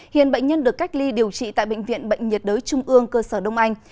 hiện bệnh nhân được cách ly điều trị tại bệnh viện bệnh nhiệt đới trung ương cơ sở đông anh